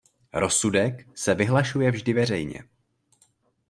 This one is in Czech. Rozsudek se vyhlašuje vždy veřejně.